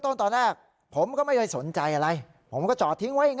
ตอนตอนแรกผมก็ไม่เลยสนใจอะไรผมก็เจาะทิ้งไว้อย่าง